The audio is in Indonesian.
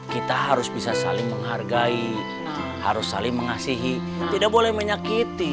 kita harus bisa saling menghargai harus saling mengasihi tidak boleh menyakiti